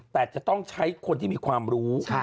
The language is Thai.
แต่จะต้องใช้คนที่มีความรู้